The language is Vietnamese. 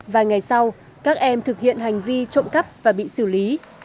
vài ngày sau các em thực hiện hành vi trộm cắp và bị xử lý